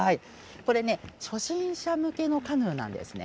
これ、初心者向けのカヌーなんですね。